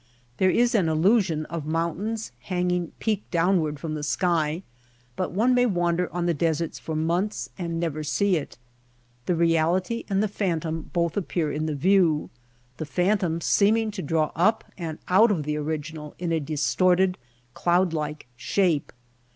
There is an illusion of mountains hanging peak downward from the sky, but one may wander on the deserts for months and never see it. The reality and the phantom both appear in the view — the phantom seeming to draw up and out of the original in a dis torted, cloud like shape.